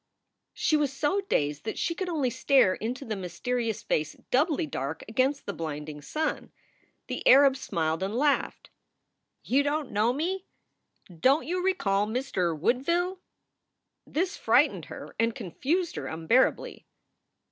She was so dazed that she could only stare into the myste rious face doubly dark against the blinding sun. The Arab smiled and laughed. "You don t know me? Don t you recall Mr. Woodville?" This frightened her and confused her unbearably.